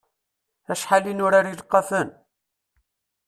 Acḥal i nurar ilqafen!